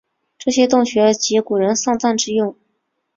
这些洞穴即古人丧葬之用。